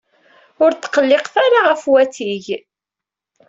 Ur tqelliqet ara ɣef watig!